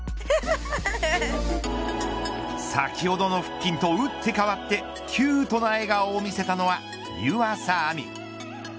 先ほどの腹筋とうって変わってキュートな笑顔を見せたのは湯浅亜実。